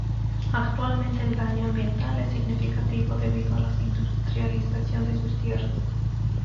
Actualmente el daño ambiental es significativo debido a la industrialización de sus tierras.